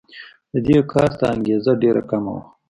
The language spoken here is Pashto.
د دې کار ته انګېزه ډېره کمه وه.